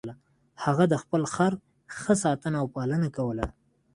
هغه د خپل خر ښه ساتنه او پالنه کوله.